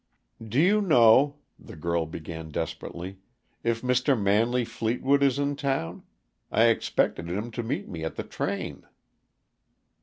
"Do you know," the girl began desperately, "if Mr. Manley Fleetwood is in town? I expected him to meet me at the train."